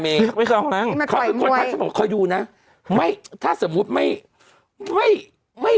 ไม่เคยออกกำลังการมันค่อยมวยค่อยดูนะไม่ถ้าสมมุติไม่ไม่